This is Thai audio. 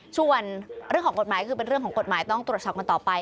ส่วนเรื่องของกฎหมายคือเป็นเรื่องของกฎหมายต้องตรวจสอบกันต่อไป